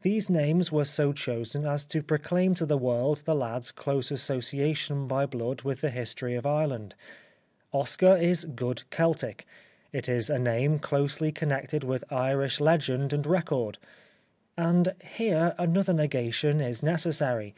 These names were so chosen as to proclaim to the world the lad's close association by blood with the history of Ireland. Oscar is good Celtic, it is a name closely connected with Irish legend and record. And here another negation is necessary.